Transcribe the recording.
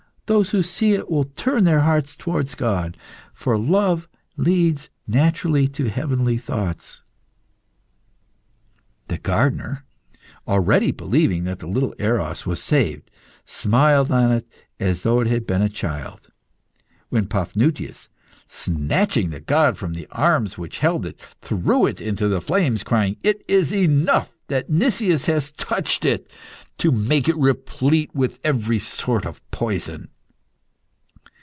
Those who see it will turn their hearts towards God, for love leads naturally to heavenly thoughts." The gardener, already believing that the little Eros was saved, smiled on it as though it had been a child, when Paphnutius, snatching the god from the arms which held it, threw it into the flames, crying "It is enough that Nicias has touched it to make it replete with every sort of poison!"